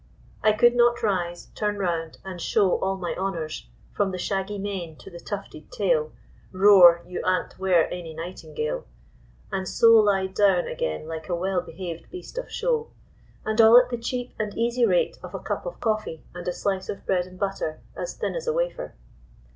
I could not rise, turn round, and show all my honours, from the shaggy mane to the tufted tail, "roar you an't were any nightingale," and so lie down again like a well behaved beast of show, and all at the cheap and easy rate of a cup of coffee and a slice of bread and butter as thin as a wafer.